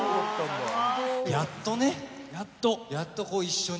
やっとね、やっと一緒に。